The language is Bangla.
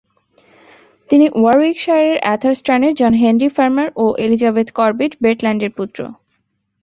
তিনি ওয়ারউইকশায়ারের অ্যাথারস্টনের জন হেনরি ফারমার ও এলিজাবেথ কর্বেট ব্রেটল্যান্ডের পুত্র।